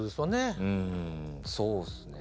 うんそうっすね。